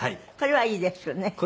これはいいですよね？